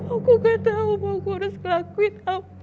aku tidak tahu apa yang harus aku lakukan